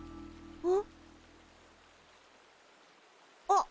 あっ。